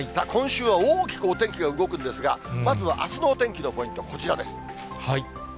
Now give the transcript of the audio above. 今週は大きくお天気が動くんですが、まずはあすのお天気のポイント、こちらです。